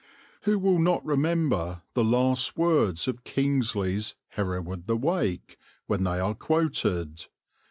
Who will not remember the last words of Kingsley's Hereward the Wake, when they are quoted?